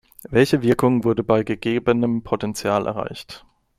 Welche Wirkung wurde bei gegebenem Potenzial erreicht.